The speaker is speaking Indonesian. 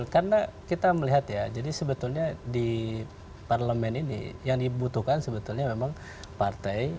karena kita melihat ya jadi sebetulnya di parlemen ini yang dibutuhkan sebetulnya memang partai